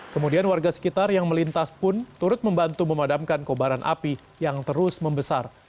kemudian warga sekitar yang melintas pun turut membantu memadamkan kobaran api yang terus membesar